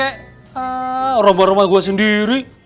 eh rumah rumah gue sendiri